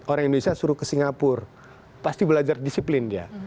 orang indonesia suruh ke singapura pasti belajar disiplin dia